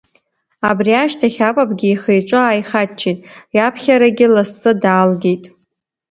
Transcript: Абри ашьҭахь апапгьы ихы-иҿы ааихаччеит, иаԥхьарагьы лассы даалгеит.